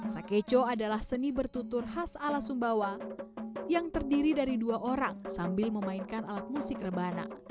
sakeco adalah seni bertutur khas ala sumbawa yang terdiri dari dua orang sambil memainkan alat musik rebana